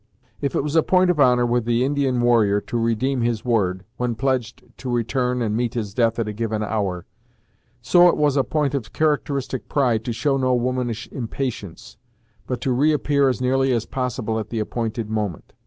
If it was a point of honor with the Indian warrior to redeem his word, when pledged to return and meet his death at a given hour, so was it a point of characteristic pride to show no womanish impatience, but to reappear as nearly as possible at the appointed moment.